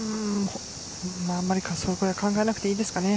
あまり考えなくていいですかね。